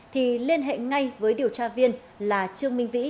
thì liên hệ ngay với điều tra viên là trương minh vĩ